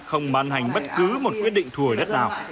không ban hành bất cứ một quyết định thu hồi đất nào